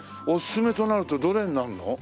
おすすめとなるとどれになるの？